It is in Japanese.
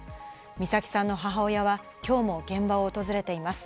美咲さんの母親は今日も現場を訪れています。